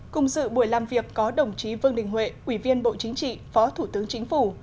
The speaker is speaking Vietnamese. cùng dự buổi làm việc có đồng chí vương đình huệ ủy viên bộ chính trị phó thủ tướng chính phủ